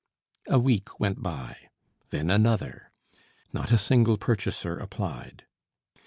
A week went by, then another; not a single purchaser applied.